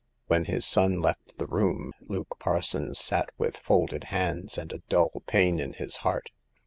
'' When his son left the room, Luke Parsons sat with folded hands and a dull pain in his heart.